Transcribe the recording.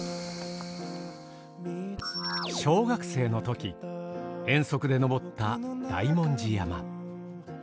小学生のとき遠足で登った大文字山。